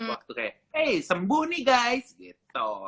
waktu kayak hey sembuh nih guys gitu